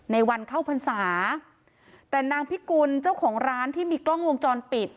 ในวันเข้าพรรษาแต่นางพิกุลเจ้าของร้านที่มีกล้องวงจรปิด